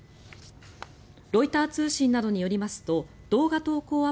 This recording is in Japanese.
ロイター通信などによりますと動画投稿